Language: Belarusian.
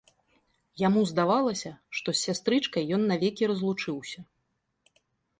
Яму здавалася, што з сястрычкай ён навекі разлучыўся.